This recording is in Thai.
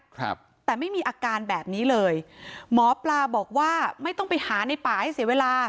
ครับแต่ไม่มีอาการแบบนี้เลยหมอปลาบอกว่าไม่ต้องไปหาในป่าให้เสียเวลา